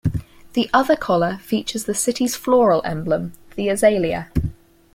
The other collar features the city's floral emblem, the azalea.